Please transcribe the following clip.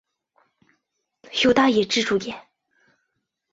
由大野智主演。